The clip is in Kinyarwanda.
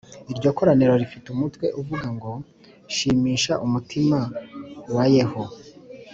. Iryo koraniro rifite umutwe uvuga ngo: “Shimisha umutima wa Yeho